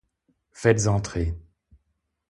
Faites entrer.